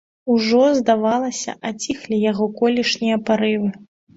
Ужо, здавалася, аціхлі яго колішнія парывы.